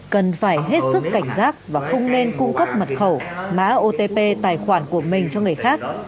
cần phải hết sức cảnh giác và không nên cung cấp mật khẩu mã otp tài khoản của mình cho người khác